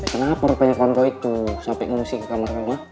kenapa rupanya kamu boitu sampe ngusik ke kamar kamu